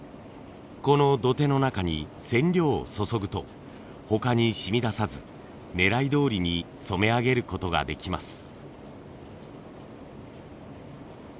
この土手の中に染料を注ぐと他にしみ出さず狙いどおりに染め上げることができます。